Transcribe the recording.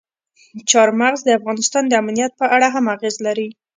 چار مغز د افغانستان د امنیت په اړه هم اغېز لري.